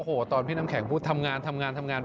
โอ้โหตอนพี่น้ำแข็งพูดทำงานทำงานทำงานทำงาน